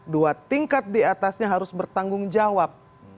dua tingkat diatasnya harus bertanggung jawab